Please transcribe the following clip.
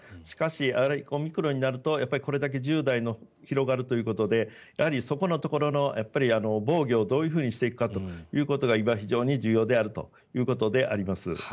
しかし、オミクロンになるとこれだけ１０代に広がるということでそこのところの防御をどういうふうにしていくかが今非常に重要であるということであります。